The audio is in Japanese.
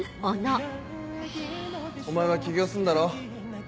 お前は起業すんだろ？